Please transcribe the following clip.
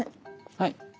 はい。